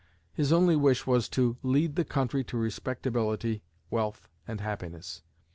His only wish was to "lead the country to respectability, wealth and happiness."